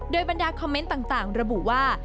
โดยบรรดาคอมเมนต์ต่างระบุว่า